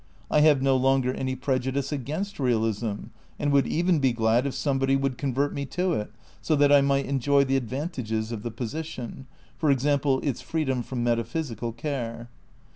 I have no longer any prejudice against realism, and would even be glad if somebody would convert me to it, so that I might enjoy the advantages of the position ; for example, its freedom from metaphysical care.